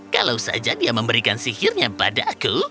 kalau saja dia memberikan sihirnya pada aku